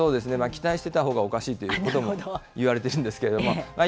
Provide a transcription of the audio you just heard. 期待していたほうがおかしいということも言われているんですけれども。